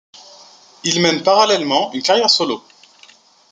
Il mène parallèlement une carrière solo.